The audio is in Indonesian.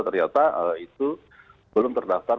ternyata itu belum terdaftar